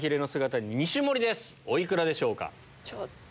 お幾らでしょうか？